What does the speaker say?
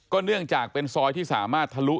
เนื่องจากเป็นซอยที่สามารถทะลุ